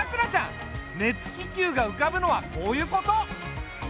熱気球が浮かぶのはこういうこと。